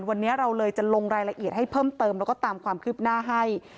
วันนี้เราเลยจะลงรายละเอียดให้เพิ่มเติมแล้วก็ตามความคืบหน้าให้